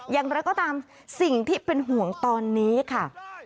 อย่างไรก็ตามสิ่งที่เป็นห่วงตอนนี้ค่ะ